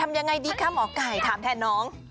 ทำอย่างไรดีคะหมอไก่ถามแทนน้อง